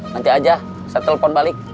nanti aja saya telepon balik